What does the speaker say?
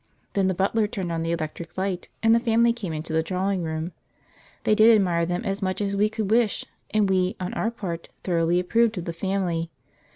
Then the butler turned on the electric light, and the family came into the drawing rooms. They did admire them as much as we could wish, and we, on our part, thoroughly approved of the family.